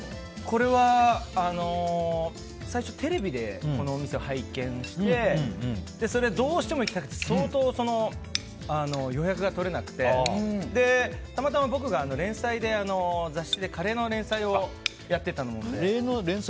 これは最初テレビでこのお店を拝見してどうしても行きたくて相当予約が取れなくてたまたま僕が雑誌でカレーの連載をカレーの連載。